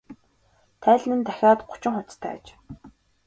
Тайлан нь дахиад гучин хуудастай аж.